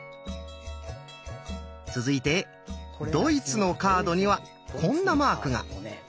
続いてドイツのカードにはこんなマークが。